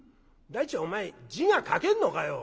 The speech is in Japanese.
第一お前字が書けんのかよ！」。